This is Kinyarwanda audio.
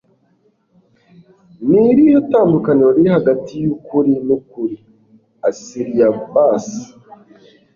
ni irihe tandukaniro riri hagati yukuri nukuri? asliabbasi